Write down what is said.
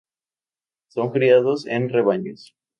Son criados en rebaños.